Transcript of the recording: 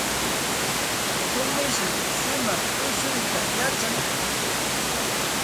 Tumishmi shumaq tushuyta yachan.